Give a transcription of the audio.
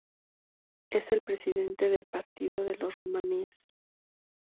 Es el presidente del Partido de los romaníes.